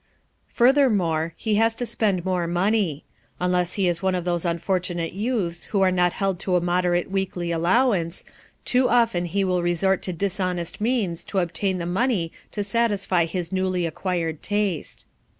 Furthermore, he has to spend more money. Unless he is one of those unfortunate youths who are not held to a moderate weekly allowance, too often he will resort to dishonest means to obtain the money to satisfy his newly acquired taste.